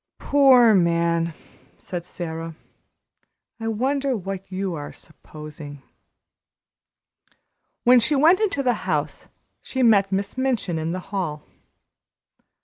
"Poor man!" said Sara; "I wonder what you are `supposing'?" When she went into the house she met Miss Minchin in the hall.